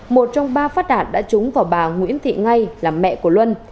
một trong ba phát đạn đã trúng vào bà nguyễn thị ngay là mẹ của luân